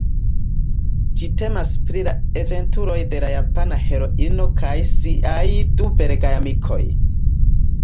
Ĝi temas pri la aventuroj de la Japana heroino kaj siaj du belgaj amikoj.